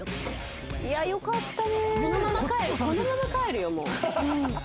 いやよかったね。